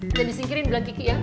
kita disingkirin bilang kiki ya